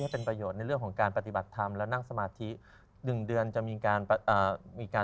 แต่ในมุมที่มาร่ำรู้จักพี่มาร์คมา